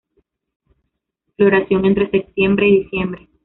Floración entre septiembre y diciembre.